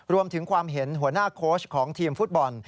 รวมถึงความเห็นหัวหน้าโค้ชของทีมฟุตบอล